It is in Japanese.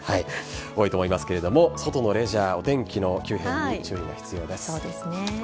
多いと思いますが外のレジャー天気の急変に注意が必要です。